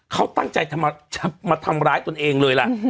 เขาตั้งใจจะมาทำร้ายตนเองเลยล่ะ